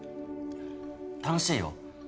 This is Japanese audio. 楽しいよ。